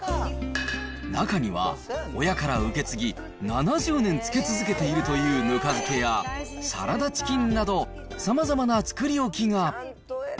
中には、親から受け継ぎ、７０年漬け続けているというぬか漬けや、サラダチキンなどさまざまな作り置きが。